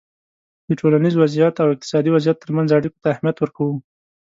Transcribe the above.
د ټولنیز وضععیت او اقتصادي وضعیت ترمنځ اړیکو ته اهمیت ورکوی